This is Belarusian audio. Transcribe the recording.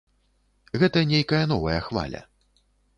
Гэта нейкая новая хваля.